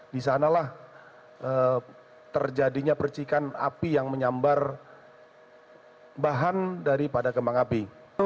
di sanalah terjadinya percikan api yang menyambar bahan daripada kembang api